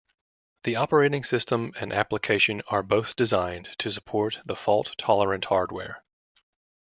The operating system and application are both designed to support the fault tolerant hardware.